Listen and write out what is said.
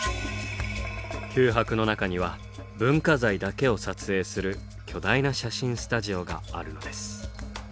九博の中には文化財だけを撮影する巨大な写真スタジオがあるのです。